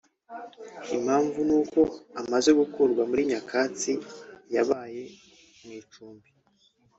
Impamvu ni uko amaze gukurwa muri nyakatsi yabaye mu icumbi